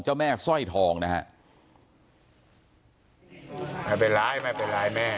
เจ้าแม่สร้อยทองนะฮะไม่เป็นไรไม่เป็นไรแม่